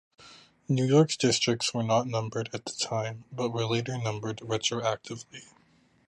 New York's districts were not numbered at the time, but were later numbered retroactively.